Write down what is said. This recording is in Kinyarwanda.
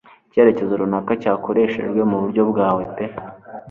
Icyerekezo runaka cyakoreshejwe muburyo bwawe pe -